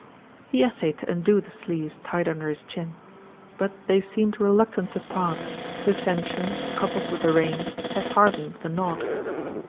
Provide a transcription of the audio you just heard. He essayed to undo the sleeves tied under his chin; but they seemed reluctant to part, the tension coupled with the rain had hardened the knot.